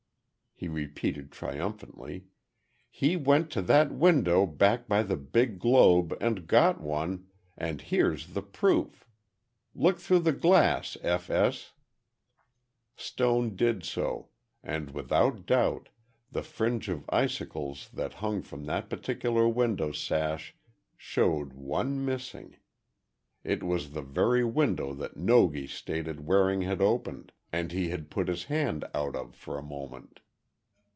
he repeated, triumphantly, "he went to that window back by the big globe and got one—and here's the proof! Look through the glass, F. S." Stone did so, and without doubt, the fringe of icicles that hung from that particular window sash showed one missing! It was the very window that Nogi stated Waring had opened, and had put his hand out of for a moment.